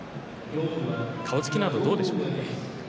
顔つきなどはどうでしょうかね。